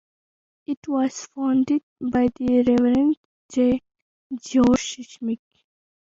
It was founded by the Reverend J. George Schmick.